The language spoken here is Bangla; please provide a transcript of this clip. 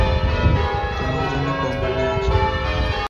তোমার জন্য কম্বল নিয়ে আসি।